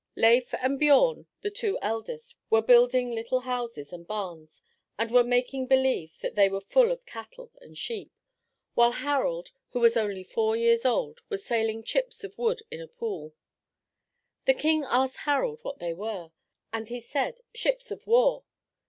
Leif and Biorn, the two oldest, were building little houses and barns and were making believe that they were full of cattle and sheep, while Harald, who was only four years old, was sailing chips of wood in a pool. The king asked Harald what they were, and he said, "Ships of war."